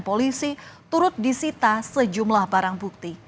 polisi turut disita sejumlah barang bukti